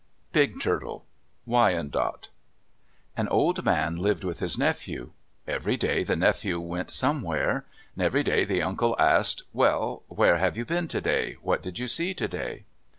BIG TURTLE Wyandot An old man lived with his nephew. Every day the nephew went somewhere. Every day the uncle asked, "Well, where have you been today? What did you see today?"